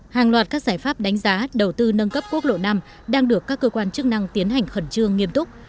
hàng loạt các giải pháp đánh giá đầu tư nâng cấp quốc lộ năm đang được các cơ quan chức năng tiến hành khẩn trương nghiêm túc